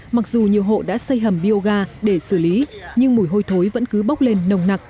mặc dù nhiều hộ đã xây hầm bioga để xử lý nhưng mùi hôi thối vẫn cứ bốc lên nồng nặc